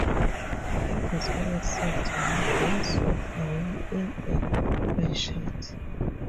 It is also said to have been swept away in a freshet.